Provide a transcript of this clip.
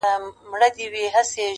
o له دې مقامه دا دوه مخي په شړلو ارزي,